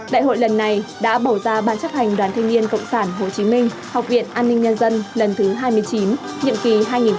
đại hội lần này đã bầu ra ban chấp hành đoàn thanh niên cộng sản hồ chí minh học viện an ninh nhân dân lần thứ hai mươi chín nhiệm kỳ hai nghìn hai mươi hai nghìn hai mươi một